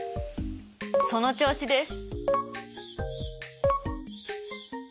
その調子です！